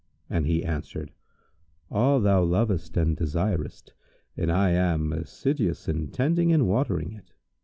and he answered, "All thou lovest and desirest, and I am assiduous in tending and watering it."